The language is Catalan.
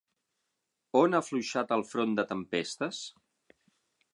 On ha afluixat el front de tempestes?